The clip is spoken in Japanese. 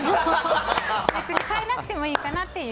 別に変えなくてもいいかなっていう。